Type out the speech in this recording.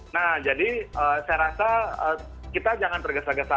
nah jadi saya rasa kita jangan tergesa gesa